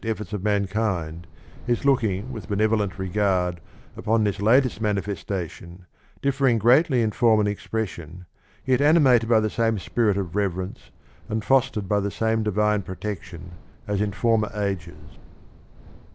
efforts of mankind, is looking with benevolent regard upon this latest manifestation, differing greatly in form and expression, yet animated by the same spirit of rever ence, and fostered by the same divine protection as in former ages.